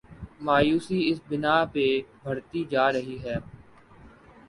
مایوسی اس بنا پہ بڑھتی جا رہی ہے۔